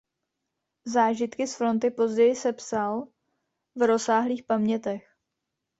Zážitky z fronty později sepsal v rozsáhlých pamětech.